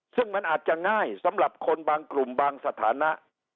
ซึ่งมันอาจจะง่ายสำหรับคนบางกลุ่มบางสถานะ